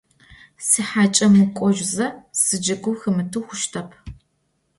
Сихьакӏэ мыкӏожьзэ сиджэгу хэмыты хъущтэп.